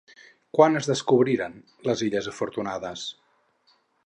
Quan es descobriren les Illes Afortunades?